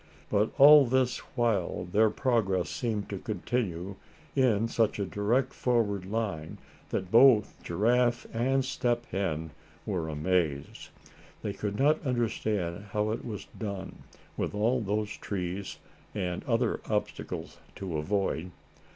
But all this while their progress seemed to continue in such a direct forward line that both Giraffe and Step Hen were amazed. They could not understand how it was done, with all those trees, and other obstacles, to avoid.